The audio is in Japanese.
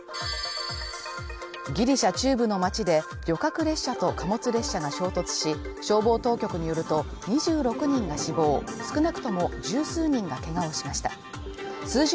ギリシャ中部の町で旅客列車と貨物列車が衝突し、消防当局によると、２６人が死亡、少なくとも数十人がけがをしました。